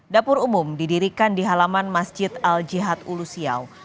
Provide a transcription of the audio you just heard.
dapur umum didirikan di halaman masjid al jihad ulusiau